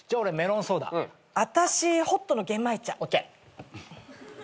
あたしホットの玄米茶。ＯＫ。